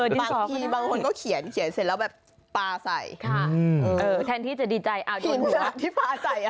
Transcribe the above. บางทีบางคนเขียนเสร็จแล้วแบบปลาใส่แทนที่จะดีใจอ่าธนหัว